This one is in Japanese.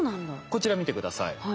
こちら見て下さい。